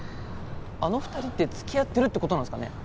あの２人って付き合ってるって事なんすかね？